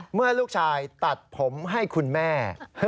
เมื่อลูกชายตัดผมให้คุณแม่